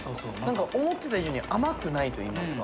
思ってた以上に甘くないといいますか。